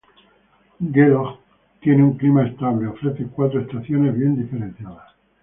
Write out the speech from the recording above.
Geelong tiene un clima estable, ofrece cuatro estaciones bien diferenciadas.